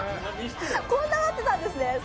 こんななってたんですね。